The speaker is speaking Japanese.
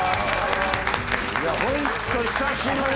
ホント久しぶり。